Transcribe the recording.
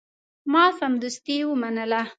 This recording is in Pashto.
ما سمدستي ومنله.